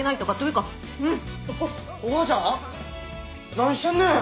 何してんねん！